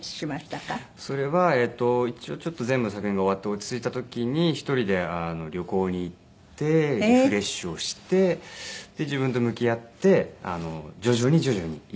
それは一応全部作品が終わって落ち着いた時に１人で旅行に行ってリフレッシュをして自分と向き合って徐々に徐々に癒やしていきましたね。